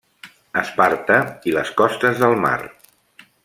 Esparta i les costes del mar.